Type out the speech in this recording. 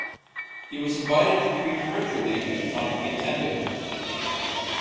He was invited to preach virtually each time he attended.